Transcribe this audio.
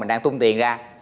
mình đang tung tiền ra